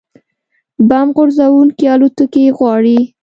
بمب غورځوونکې الوتکې غواړي